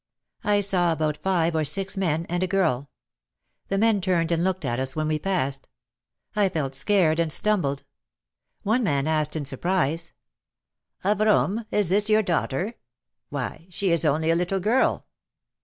I saw about five or six men and a girl. The men turned and looked at us when we passed. I felt scared and stumbled. One man asked in surprise : "Avrom, is this your daughter? Why, she is only a little girl